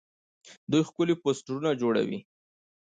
دوی ښکلي پوسټرونه جوړوي.